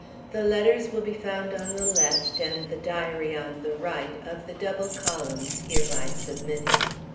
The letters will be found on the left, and the diary on the right, of the double columns hereby submitted.